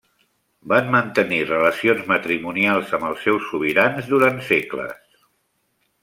Van mantenir relacions matrimonials amb els seus sobirans durant segles.